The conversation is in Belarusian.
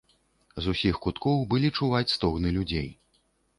З усіх куткоў былі чуваць стогны людзей.